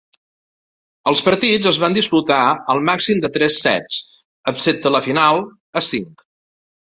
Els partits es van disputar al màxim de tres sets excepte la final a cinc.